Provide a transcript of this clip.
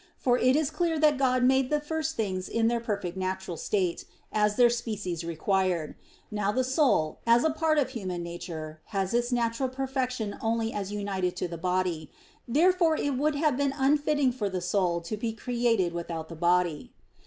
For it is clear that God made the first things in their perfect natural state, as their species required. Now the soul, as a part of human nature, has its natural perfection only as united to the body. Therefore it would have been unfitting for the soul to be created without the body.